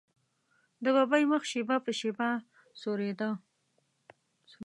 د ببۍ مخ شېبه په شېبه سورېده.